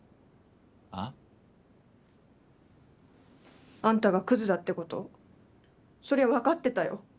あ？あんたがクズだってことそりゃ分かってたよ。